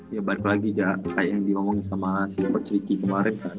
ya baik lagi kayak yang diomongin sama si ochochitl kemarin kan